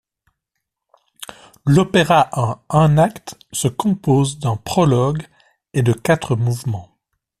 L'opéra en un acte se compose d'un prologue et de quatre mouvements.